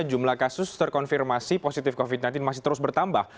jumlah kasus terkonfirmasi positif covid sembilan belas masih terus bertambah